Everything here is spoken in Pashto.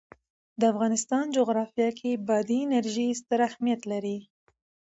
د افغانستان جغرافیه کې بادي انرژي ستر اهمیت لري.